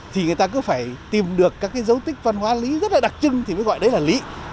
thì người ta cứ phải tìm được các cái dấu tích văn hóa lý rất là đặc trưng thì mới gọi đấy là lý